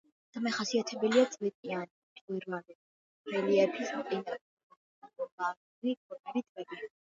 დამახასიათებელია წვეტიანი მწვერვალები, რელიეფის მყინვარული ფორმები, ტბები.